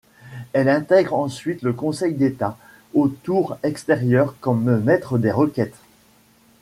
Elle intègre ensuite le Conseil d'État au tour extérieur comme maître des requêtes.